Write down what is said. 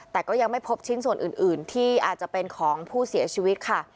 แต่ก็ยังไม่พบชิ้นส่วนอื่นที่อาจจะเป็นของผู้เสียชีวิตค่ะ